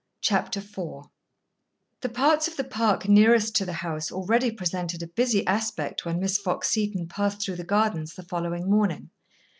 Chapter Four The parts of the park nearest to the house already presented a busy aspect when Miss Fox Seton passed through the gardens the following morning.